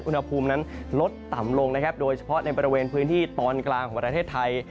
อุณหภูมินั้นลดต่ำลงนะครับโดยเฉพาะในบริเวณพื้นที่ตอนกลางของประเทศไทย